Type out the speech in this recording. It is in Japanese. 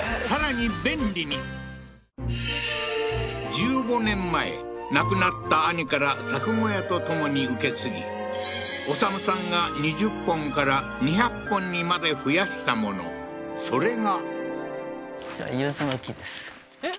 １５年前亡くなった兄から作小屋とともに受け継ぎ修さんが２０本から２００本にまで増やしたものそれがえっ？